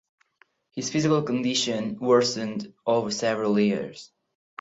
His physical condition worsened over several years.